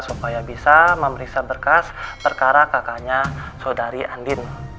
supaya bisa memeriksa berkas perkara kakaknya saudari andin